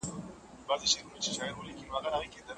انګريزي اصطلاح يوازې د حکومت کولو پوهې ته ويل کېږي.